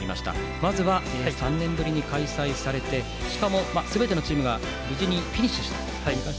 まずは、３年ぶりに開催されてしかも、すべてのチームが無事にフィニッシュしました。